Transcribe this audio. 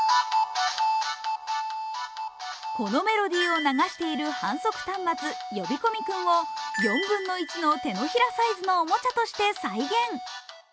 このメロディーを流している販促端末の呼び込み君を４分の１の手のひらサイズのおもちゃとして再現。